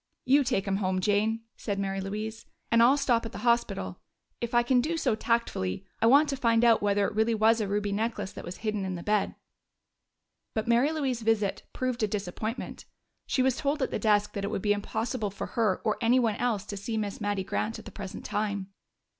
"You take him home, Jane," said Mary Louise, "and I'll stop at the hospital. If I can do so tactfully, I want to find out whether it really was a ruby necklace that was hidden in the bed." But Mary Louise's visit proved a disappointment; she was told at the desk that it would be impossible for her or anyone else to see Miss Mattie Grant at the present time.